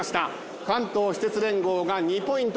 関東私鉄連合が２ポイントとリード。